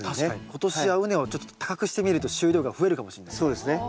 今年は畝をちょっと高くしてみると収量が増えるかもしれないですね。